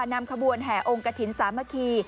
นำขบวนแห่องกระถิ่นสามัคคี